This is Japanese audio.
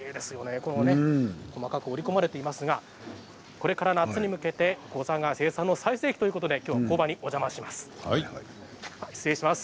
細かく織り込まれていますがこれから夏に向けてござが最盛期ということで工場にお邪魔します。